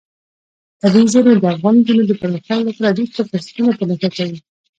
طبیعي زیرمې د افغان نجونو د پرمختګ لپاره ډېر ښه فرصتونه په نښه کوي.